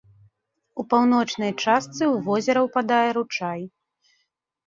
У паўночнай частцы ў возера ўпадае ручай.